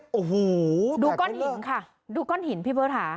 ดูก้อนหินค่ะดูก้อนหินพี่เบอร์ฐา